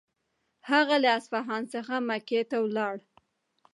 هغه له اصفهان څخه مکې ته ولاړ.